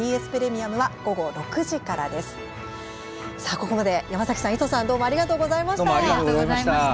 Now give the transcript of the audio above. ここまで山崎さん、磯さんどうもありがとうございました。